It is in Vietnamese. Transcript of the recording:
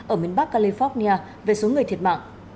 ở miền bắc california về số người thiệt mạng